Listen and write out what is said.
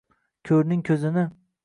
ko’rning ko’zini.